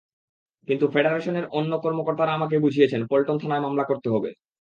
কিন্তু ফেডারেশনের অন্য কর্মকর্তারা আমাকে বুঝিয়েছেন পল্টন থানায় মামলা করতে হবে।